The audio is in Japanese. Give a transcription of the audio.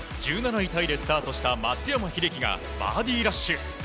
１７位タイでスタートした松山英樹がバーディーラッシュ。